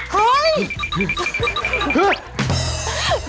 เฮ่ย